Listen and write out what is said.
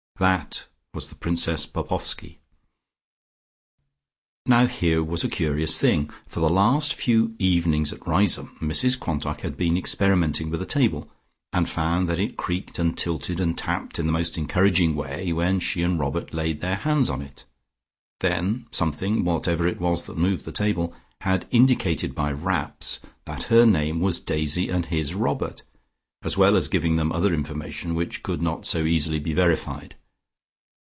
That was the Princess Popoffski. Now here was a curious thing. For the last few evenings at Riseholme, Mrs Quantock had been experimenting with a table, and found that it creaked and tilted and tapped in the most encouraging way when she and Robert laid their hands on it. Then something whatever it was that moved the table had indicated by raps that her name was Daisy and his Robert, as well as giving them other information, which could not so easily be verified.